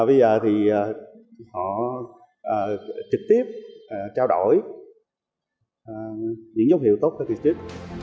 bây giờ thì họ trực tiếp trao đổi những dấu hiệu tốt